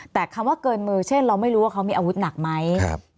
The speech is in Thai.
แต่คำว่าเกินมือเช่นเราไม่รู้ว่าเขามีอาวุธหนักไหม